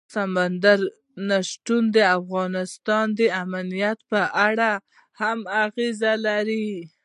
سمندر نه شتون د افغانستان د امنیت په اړه هم اغېز لري.